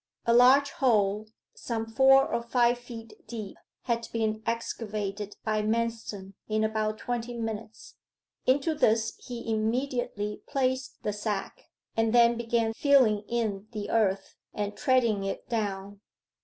A large hole some four or five feet deep had been excavated by Manston in about twenty minutes. Into this he immediately placed the sack, and then began filling in the earth, and treading it down.